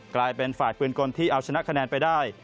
กลายเป็นฝ่ายปืนกลที่เอาชนะคะแนนไปได้